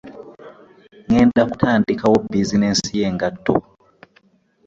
Ŋŋenda kutandikawo bizineesi y'engatto.